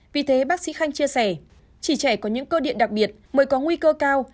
vì thế bác sĩ khanh chia sẻ chỉ trẻ có những cơ điện đặc biệt mới có nguy cơ cao